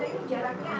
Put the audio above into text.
yang dijuangkan adalah